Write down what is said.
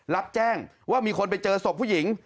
รับแจ้งว่ามีคนไปเจอศพผู้หญิง